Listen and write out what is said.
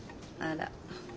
あら。